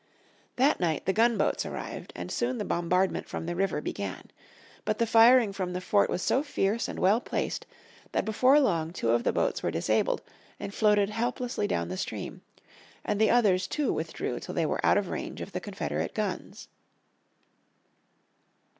That night the gunboats arrived, and soon the bombardment from the river began. But the firing from the fort was so fierce and well placed that before long two of the boats were disabled, and floated helplessly down the stream, and the others too withdrew till they were out of range of the Confederate guns.